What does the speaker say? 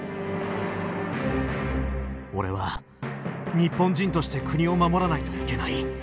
俺は日本人として国を守らないといけない。